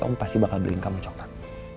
om pasti bakal beliin kamu coklat